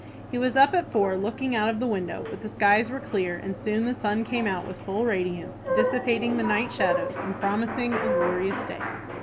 He was up at four, looking out of the window; but the skies were clear, and soon the sun came out with full radiance, dissipating the night shadows, and promising a glorious day.